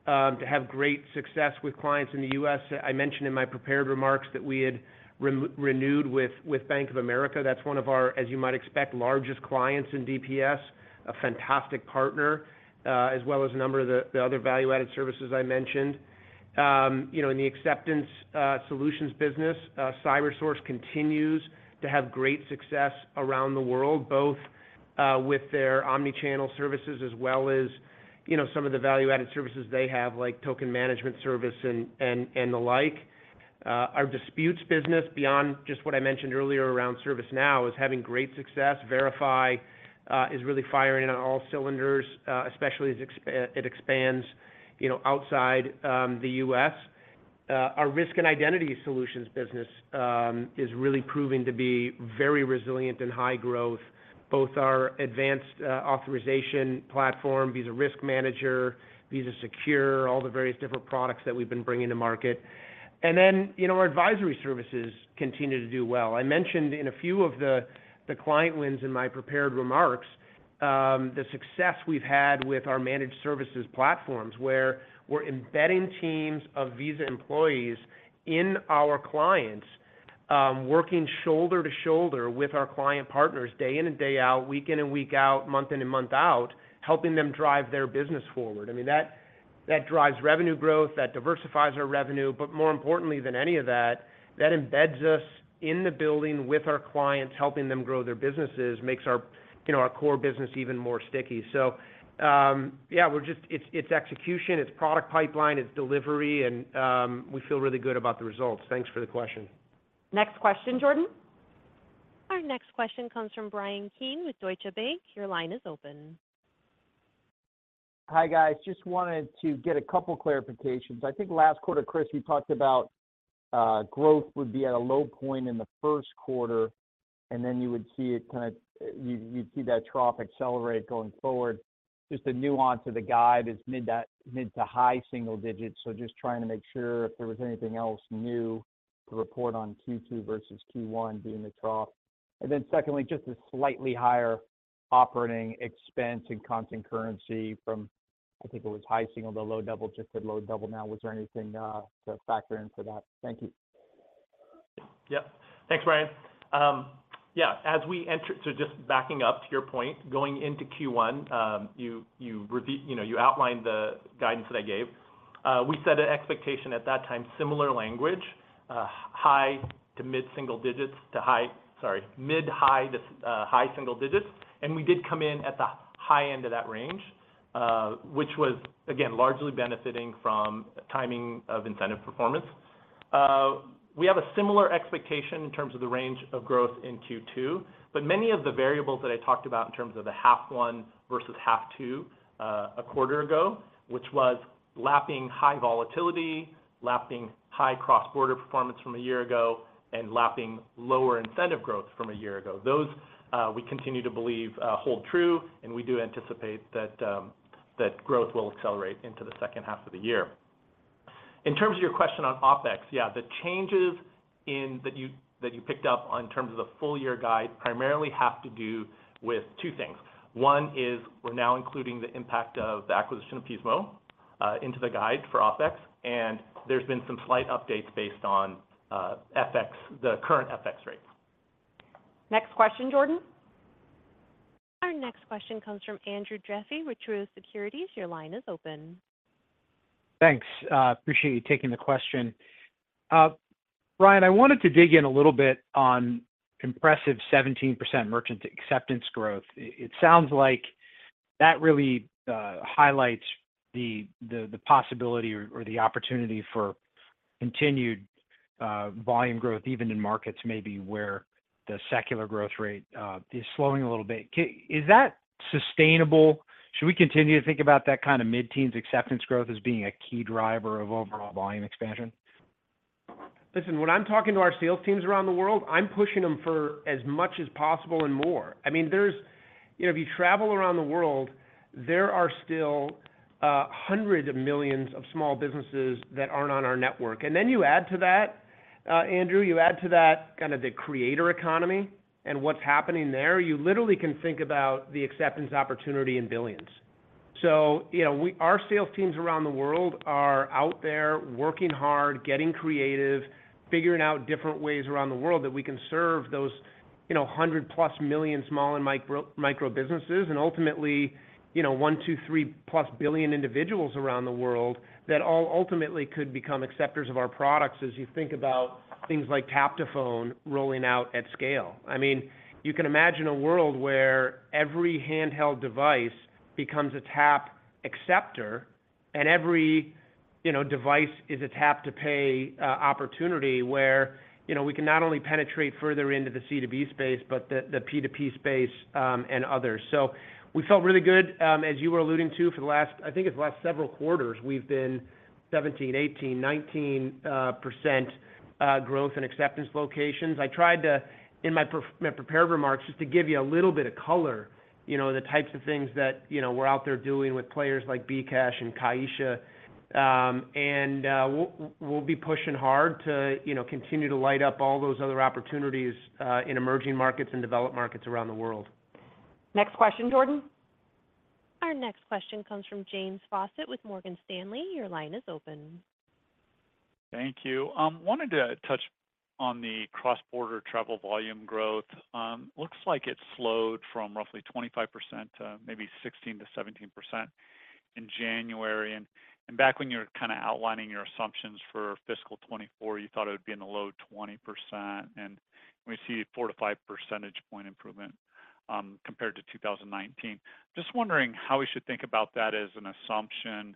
to have great success with clients in the U.S. I mentioned in my prepared remarks that we had renewed with Bank of America. That's one of our, as you might expect, largest clients in DPS, a fantastic partner, as well as a number of the other value-added services I mentioned. You know, in the acceptance solutions business, CyberSource continues to have great success around the world, both with their omni-channel services as well as, you know, some of the value-added services they have, like Token Management Service and the like. Our disputes business beyond just what I mentioned earlier around ServiceNow is having great success. Verify is really firing on all cylinders, especially as it expands, you know, outside the U.S. Our Risk and Identity Solutions business is really proving to be very resilient and high growth. Both our advanced authorization platform, Visa Risk Manager, Visa Secure, all the various different products that we've been bringing to market. And then, you know, our advisory services continue to do well. I mentioned in a few of the client wins in my prepared remarks, the success we've had with our managed services platforms, where we're embedding teams of Visa employees in our clients, working shoulder to shoulder with our client partners day in and day out, week in and week out, month in and month out, helping them drive their business forward. I mean, that, that drives revenue growth, that diversifies our revenue, but more importantly than any of that, that embeds us in the building with our clients, helping them grow their businesses, makes our, you know, our core business even more sticky. So, yeah, it's execution, it's product pipeline, it's delivery, and, we feel really good about the results. Thanks for the question. Next question, Jordan. Our next question comes from Bryan Keane with Deutsche Bank. Your line is open. Hi, guys. Just wanted to get a couple clarifications. I think last quarter, Chris, you talked about growth would be at a low point in the first quarter, and then you would see it kind of, you'd see that trough accelerate going forward. Just a nuance of the guide is mid to high-single digits. So just trying to make sure if there was anything else new to report on Q2 versus Q1 being the trough. And then secondly, just a slightly higher operating expense in constant currency from, I think it was high-single to low-double, just said low-double now. Was there anything to factor in for that? Thank you. Yep. Thanks, Bryan. Yeah, so just backing up to your point, going into Q1, you know, you outlined the guidance that I gave. We set an expectation at that time, similar language, high to mid single digits, to high, sorry, mid high to high single digits. And we did come in at the high end of that range, which was, again, largely benefiting from timing of incentive performance. We have a similar expectation in terms of the range of growth in Q2, but many of the variables that I talked about in terms of the half one versus half two, a quarter ago, which was lapping high volatility, lapping high cross-border performance from a year ago, and lapping lower incentive growth from a year ago. Those, we continue to believe, hold true, and we do anticipate that, that growth will accelerate into the second half of the year. In terms of your question on OpEx, yeah, the changes in that you, that you picked up on in terms of the full year guide, primarily have to do with two things. One is we're now including the impact of the acquisition of Pismo, into the guide for OpEx, and there's been some slight updates based on, FX, the current FX rates. Next question, Jordan. Our next question comes from Andrew Jeffrey with Truist Securities. Your line is open. Thanks. Appreciate you taking the question. Ryan, I wanted to dig in a little bit on impressive 17% merchant acceptance growth. It sounds like that really highlights the possibility or the opportunity for continued volume growth, even in markets maybe where the secular growth rate is slowing a little bit. Is that sustainable? Should we continue to think about that kind of mid-teens acceptance growth as being a key driver of overall volume expansion? Listen, when I'm talking to our sales teams around the world, I'm pushing them for as much as possible and more. I mean, there's—you know, if you travel around the world, there are still hundreds of millions of small businesses that aren't on our network. And then you add to that, Andrew, you add to that kind of the creator economy and what's happening there, you literally can think about the acceptance opportunity in billions. So, you know, we— our sales teams around the world are out there working hard, getting creative, figuring out different ways around the world that we can serve those, you know, 100+ million small and micro, micro businesses, and ultimately, you know, 1, 2, 3+ billion individuals around the world that all ultimately could become acceptors of our products, as you think about things like Tap to Phone rolling out at scale. I mean, you can imagine a world where every handheld device becomes a tap acceptor, and every, you know, device is a Tap to Pay opportunity, where, you know, we can not only penetrate further into the C2B space, but the, the P2P space, and others. So we felt really good, as you were alluding to, for the last, I think it's the last several quarters, we've been 17%, 18%, 19% growth in acceptance locations. I tried to, in my prepared remarks, just to give you a little bit of color, you know, the types of things that, you know, we're out there doing with players like bKash and Caixa. And we'll be pushing hard to, you know, continue to light up all those other opportunities in emerging markets and developed markets around the world. Next question, Jordan. Our next question comes from James Faucette with Morgan Stanley. Your line is open. Thank you. Wanted to touch on the cross-border travel volume growth. Looks like it slowed from roughly 25% to maybe 16%-17% in January. And back when you were kinda outlining your assumptions for fiscal 2024, you thought it would be in the low 20%, and we see a four to five percentage point improvement, compared to 2019. Just wondering how we should think about that as an assumption,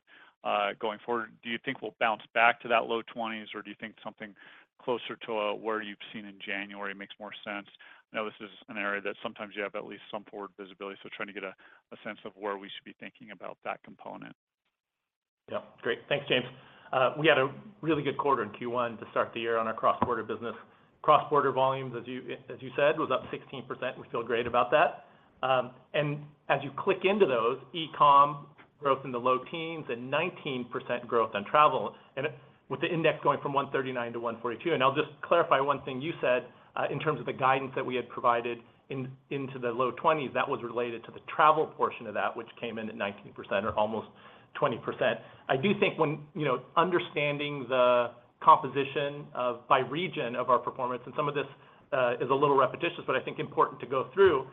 going forward. Do you think we'll bounce back to that low 20s, or do you think something closer to, where you've seen in January makes more sense? I know this is an area that sometimes you have at least some forward visibility, so trying to get a sense of where we should be thinking about that component. Yeah. Great. Thanks, James. We had a really good quarter in Q1 to start the year on our cross-border business. Cross-border volumes, as you, as you said, was up 16%. We feel great about that. And as you click into those, e-com growth in the low teens and 19% growth on travel, and with the index going from 139 to 142. And I'll just clarify one thing you said, in terms of the guidance that we had provided into the low 20s, that was related to the travel portion of that, which came in at 19% or almost 20%. I do think when, you know, understanding the composition of, by region of our performance, and some of this is a little repetitious, but I think important to go through.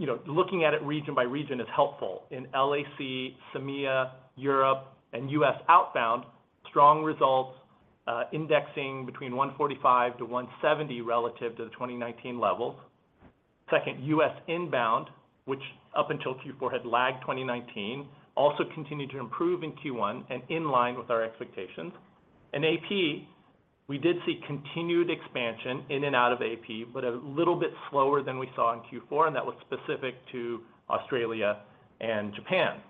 You know, looking at it region by region is helpful. In LAC, CEMEA, Europe, and U.S. outbound, strong results, indexing between 145-170 relative to the 2019 levels. Second, U.S. inbound, which up until Q4 had lagged 2019, also continued to improve in Q1 and in line with our expectations. In AP, we did see continued expansion in and out of AP, but a little bit slower than we saw in Q4, and that was specific to Australia and Japan.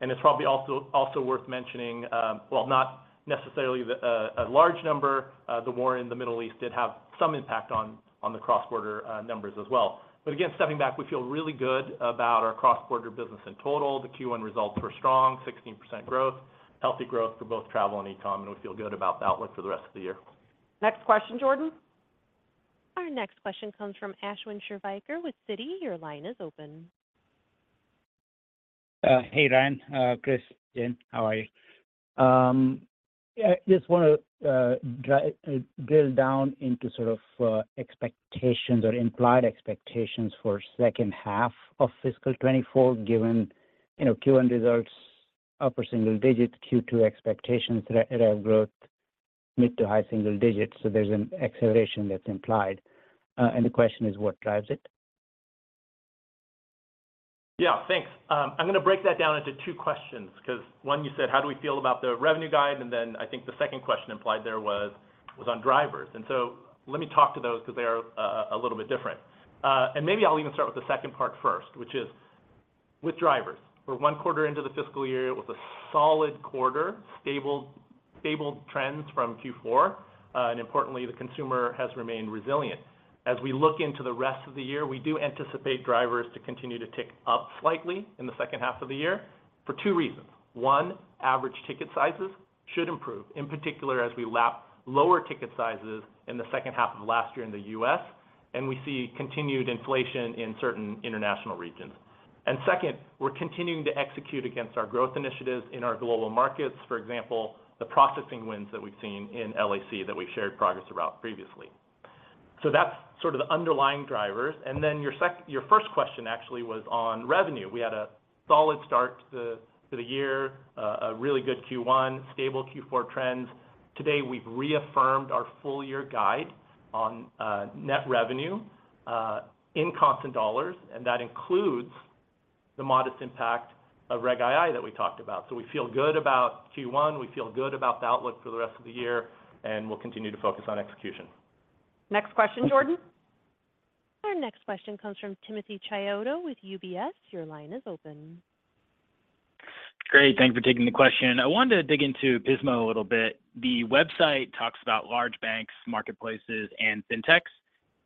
And it's probably also worth mentioning, while not necessarily a large number, the war in the Middle East did have some impact on the cross-border numbers as well. But again, stepping back, we feel really good about our cross-border business in total. The Q1 results were strong, 16% growth, healthy growth for both travel and e-com, and we feel good about the outlook for the rest of the year. Next question, Jordan. Our next question comes from Ashwin Shirvaikar with Citi. Your line is open. Hey, Ryan, Chris, Jen, how are you? I just wanna drill down into sort of expectations or implied expectations for second half of fiscal 2024, given, you know, Q1 results, upper single digits, Q2 expectations, growth mid to high single digits. So there's an acceleration that's implied, and the question is, what drives it? Yeah, thanks. I'm going to break that down into two questions, because one, you said: How do we feel about the revenue guide? And then I think the second question implied there was, was on drivers. And so let me talk to those because they are a little bit different. And maybe I'll even start with the second part first, which is with drivers. We're one quarter into the fiscal year with a solid quarter, stable, stable trends from Q4. And importantly, the consumer has remained resilient. As we look into the rest of the year, we do anticipate drivers to continue to tick up slightly in the second half of the year for two reasons. One, average ticket sizes should improve, in particular as we lap lower ticket sizes in the second half of last year in the U.S., and we see continued inflation in certain international regions. And second, we're continuing to execute against our growth initiatives in our global markets, for example, the processing wins that we've seen in LAC that we've shared progress about previously. So that's sort of the underlying drivers. And then your first question actually was on revenue. We had a solid start to the year, a really good Q1, stable Q4 trends. Today, we've reaffirmed our full-year guide on net revenue in constant dollars, and that includes the modest impact of Reg II that we talked about. So we feel good about Q1, we feel good about the outlook for the rest of the year, and we'll continue to focus on execution. Next question, Jordan? Our next question comes from Timothy Chiodo with UBS. Your line is open. Great. Thanks for taking the question. I wanted to dig into Pismo a little bit. The website talks about large banks, marketplaces, and fintechs,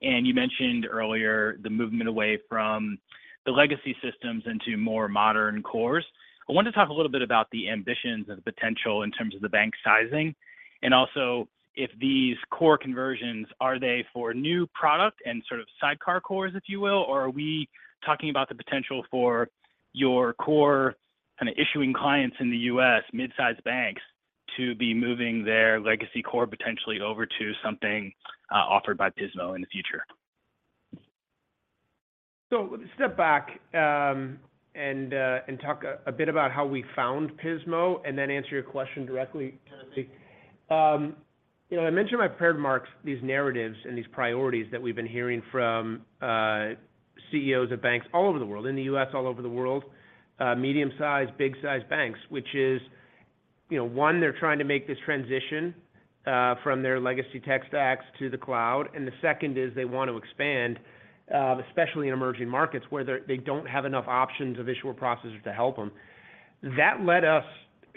and you mentioned earlier the movement away from the legacy systems into more modern cores. I wanted to talk a little bit about the ambitions and the potential in terms of the bank sizing, and also if these core conversions, are they for new product and sort of sidecar cores, if you will? Or are we talking about the potential for your core and issuing clients in the U.S., mid-sized banks, to be moving their legacy core potentially over to something offered by Pismo in the future? So let me step back, and, and talk a bit about how we found Pismo and then answer your question directly, Timothy. You know, I mentioned in my prepared remarks, these narratives and these priorities that we've been hearing from, CEOs of banks all over the world, in the U.S., all over the world, medium-sized, big-sized banks, which is, you know, one, they're trying to make this transition, from their legacy tech stacks to the cloud, and the second is they want to expand, especially in emerging markets, where they, they don't have enough options of issuer processors to help them. That led us--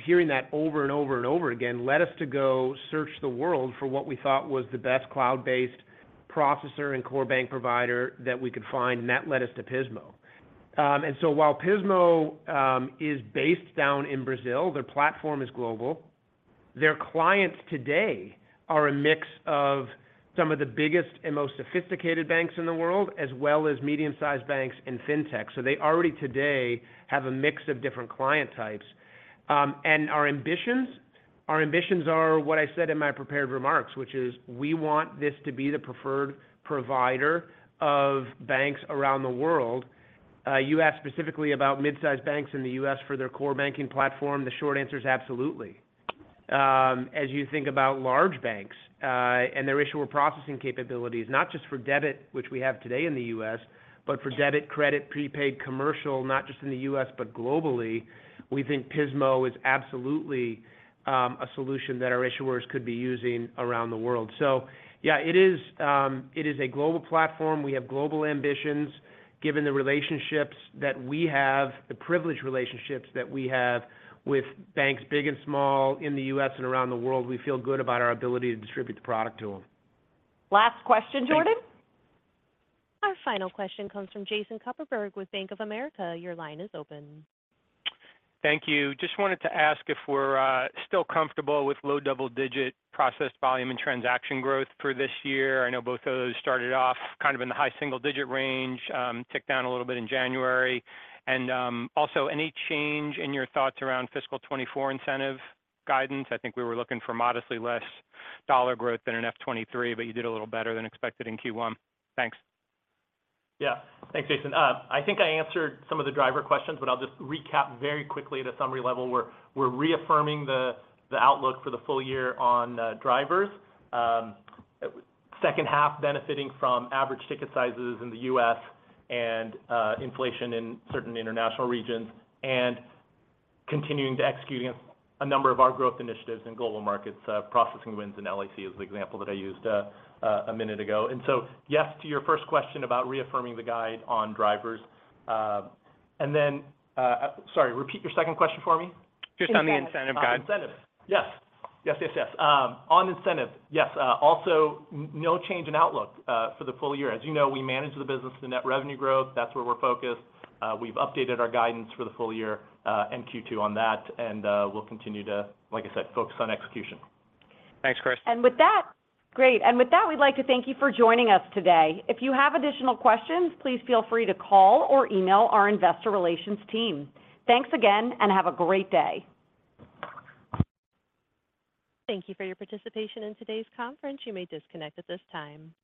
hearing that over and over and over again, led us to go search the world for what we thought was the best cloud-based processor and core bank provider that we could find, and that led us to Pismo. And so while Pismo is based down in Brazil, their platform is global. Their clients today are a mix of some of the biggest and most sophisticated banks in the world, as well as medium-sized banks and fintechs. So they already today have a mix of different client types. And our ambitions? Our ambitions are what I said in my prepared remarks, which is we want this to be the preferred provider of banks around the world. You asked specifically about mid-sized banks in the U.S. for their core banking platform. The short answer is absolutely. As you think about large banks and their issuer processing capabilities, not just for debit, which we have today in the U.S., but for debit, credit, prepaid, commercial, not just in the U.S., but globally, we think Pismo is absolutely a solution that our issuers could be using around the world. So yeah, it is, it is a global platform. We have global ambitions. Given the relationships that we have, the privileged relationships that we have with banks big and small in the U.S. and around the world, we feel good about our ability to distribute the product to them. Last question, Jordan. Our final question comes from Jason Kupferberg with Bank of America. Your line is open. Thank you. Just wanted to ask if we're still comfortable with low double-digit processed volume and transaction growth for this year. I know both of those started off kind of in the high single-digit range, ticked down a little bit in January. Also, any change in your thoughts around fiscal 2024 incentive guidance? I think we were looking for modestly less dollar growth than in F-2023, but you did a little better than expected in Q1. Thanks. Yeah. Thanks, Jason. I think I answered some of the driver questions, but I'll just recap very quickly at a summary level. We're, we're reaffirming the, the outlook for the full year on, drivers. Second half, benefiting from average ticket sizes in the U.S. and, inflation in certain international regions, and continuing to execute against a number of our growth initiatives in global markets, processing wins in LAC is the example that I used, a minute ago. And so, yes, to your first question about reaffirming the guide on drivers. And then, Sorry, repeat your second question for me. Just on the incentive guide. On incentive. Yes. Yes, yes, yes. On incentive, yes, also no change in outlook for the full year. As you know, we manage the business to net revenue growth. That's where we're focused. We've updated our guidance for the full year, and Q2 on that, and we'll continue to, like I said, focus on execution. Thanks, Chris. Great. With that, we'd like to thank you for joining us today. If you have additional questions, please feel free to call or email our investor relations team. Thanks again, and have a great day. Thank you for your participation in today's conference. You may disconnect at this time.